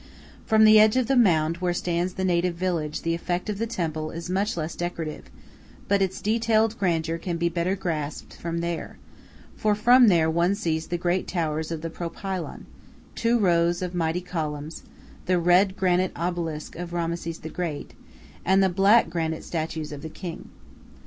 From the edge of the mound where stands the native village the effect of the temple is much less decorative, but its detailed grandeur can be better grasped from there; for from there one sees the great towers of the propylon, two rows of mighty columns, the red granite Obelisk of Rameses the great, and the black granite statues of the king.